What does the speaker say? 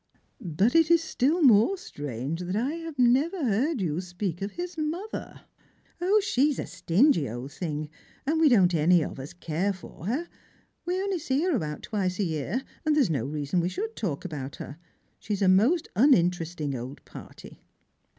" But it is still more strange that I should never have heard you speak of his mother "" 0, she's a sting}^ old thing, and we don't any of us care for her. We only see her about twice a year, and there's no reason we should talk about her. She's a most uninteresting old party."